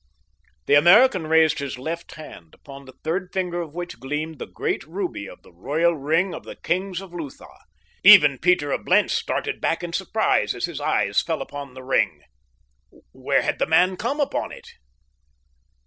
The American raised his left hand, upon the third finger of which gleamed the great ruby of the royal ring of the kings of Lutha. Even Peter of Blentz started back in surprise as his eyes fell upon the ring. Where had the man come upon it?